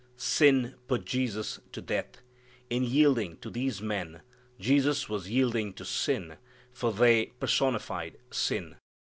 Sin put Jesus to death. In yielding to these men Jesus was yielding to sin, for they personified sin.